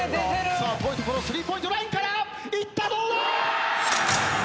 さあ遠いところスリーポイントラインからいったどうだ！？